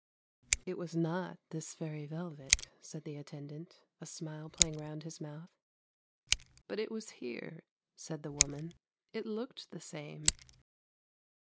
' It was not this very velvet,' said the attendant, a smile playing round his mouth. ' But it was here !' said the woman, ' it looked the same.'